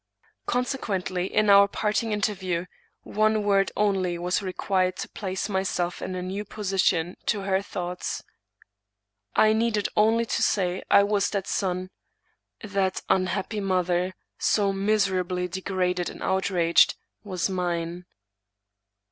Consequently, in our parting interview, one word only was required to place myself in a new position to her thoughts. I needed only to say I was that son; that unhappy mother, so miserably degraded and outraged, was mine.